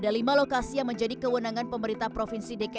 ada lima lokasi yang menjadi kewenangan pemerintah provinsi dki jakarta